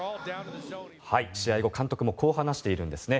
試合後、監督もこう話しているんですね。